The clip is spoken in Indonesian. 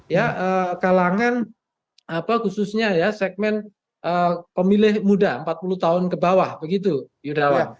ya kalangan apa khususnya ya segmen pemilih muda empat puluh tahun ke bawah begitu yudawan